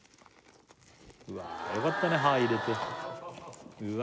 うわあよかったね歯入れてうわ